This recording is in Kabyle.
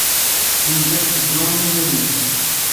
Linda ad teddu i yiman-nnes.